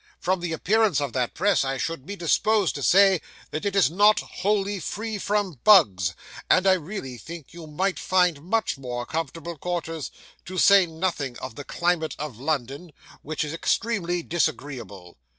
From the appearance of that press, I should be disposed to say that it is not wholly free from bugs; and I really think you might find much more comfortable quarters: to say nothing of the climate of London, which is extremely disagreeable."